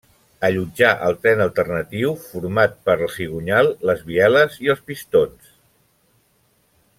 Allotjar el tren alternatiu, format pel cigonyal, les bieles i els pistons.